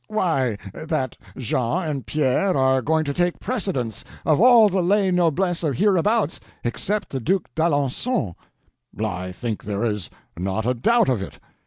"Why, that Jean and Pierre are going to take precedence of all the lay noblesse hereabouts except the Duke d'Alencon?" "I think there is not a doubt of it."